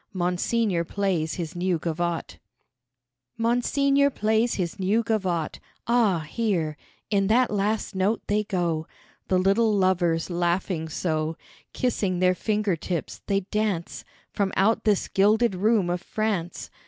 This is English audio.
Monseigneur plays his new gavotte. Monseigneur plays his new gavotte Ah, hear in that last note they go The little lovers laughing so; Kissing their finger tips, they dance From out this gilded room of France.